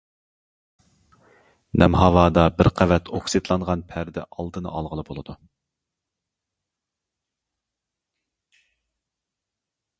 نەم ھاۋادا بىر قەۋەت ئوكسىدلانغان پەردە ئالدىنى ئالغىلى بولىدۇ.